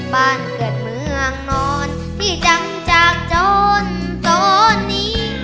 บ้านเกิดเมืองนอนที่ดังจากจนตอนนี้